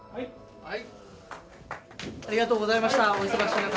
はい。